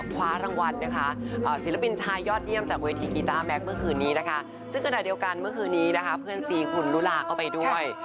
เพื่อนซีคุณลุลาก็ไปด้วย